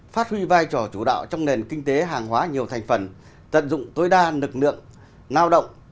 phát huy vai trò chủ đạo trong nền kinh tế hàng hóa nhiều thành phần tận dụng tối đa lực lượng lao động